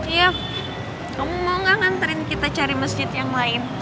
yef kamu mau gak nganterin kita cari masjid yang lain